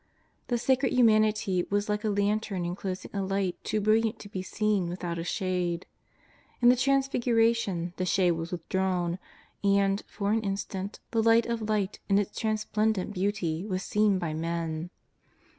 The Sacred Humanity was like a lantern enclosing a light too brilliant to be seen with out a shade. In the Transfiguration the shade was withdrawn, and, for an instant, the Light of Light in Its transplendent beauty was seen by men.